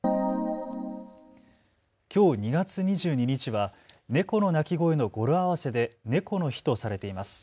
きょう２月２２日は猫の鳴き声の語呂合わせで猫の日とされています。